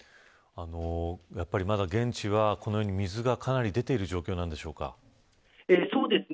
現地はこのように水がかなり出ているそうですね。